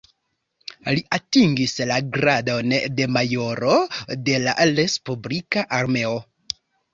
Li atingis la gradon de majoro de la respublika armeo.